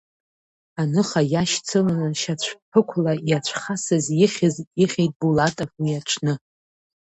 Аныха иашьцыланы шьацәԥықәла иацәхасыз ихьыз ихьит Булатов уи аҽны.